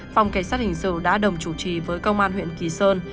phòng cảnh sát hình sự đã đồng chủ trì với công an huyện kỳ sơn